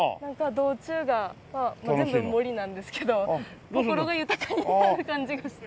道中が全部森なんですけど心が豊かになる感じがして。